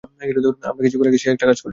আমরা কিছুক্ষণ আগে সেই একটা কাজ করেছি।